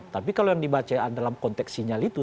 tapi kalau yang dibaca dalam konteks sinyal itu